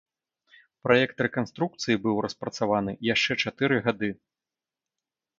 Праект рэканструкцыі быў распрацаваны яшчэ чатыры гады.